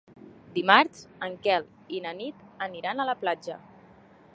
Dimarts en Quel i na Nit aniran a la platja.